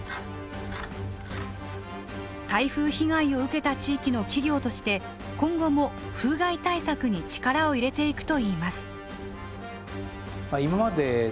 台風被害を受けた地域の企業として今後も風害対策に力を入れていくといいます。